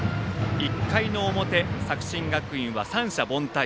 １回の表、作新学院は三者凡退。